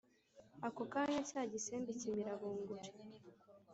Ako kanya cya gisembe ikimira bunguri.